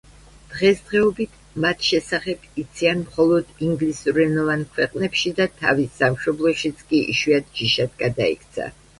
დღესდღეობით მათ შესახებ იციან მხოლოდ ინგლისურენოვან ქვეყნებში და თავის სამშობლოშიც კი იშვიათ ჯიშად გადაიქცა.